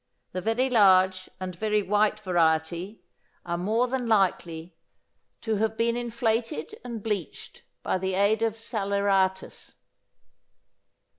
The very large and very white variety are more than likely to have been inflated and bleached by the aid of saleratus.